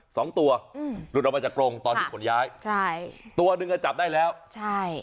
สองตัวอืมหลุดออกมาจากกรงตอนที่ขนย้ายใช่ตัวหนึ่งอ่ะจับได้แล้วใช่